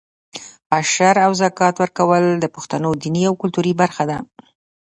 عشر او زکات ورکول د پښتنو دیني او کلتوري برخه ده.